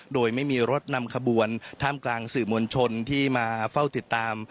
โดยไม่มีรถนำขบวนท่ามกลางสื่อมวลชนที่มาเฝ้าติดตาม